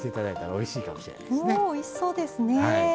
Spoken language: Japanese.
おおいしそうですねえ。